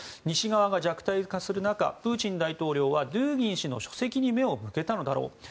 西側が弱体化する中プーチン大統領はドゥーギン氏の書籍に目を向けたのだろう。